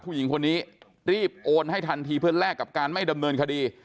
ผู้หญิงคนนี้รีบโอนให้ทันทีเพื่อแลกกับการไม่ดำเนินคดี